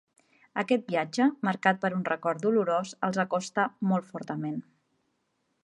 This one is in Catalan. Aquest viatge, marcat per un record dolorós, els acosta molt fortament.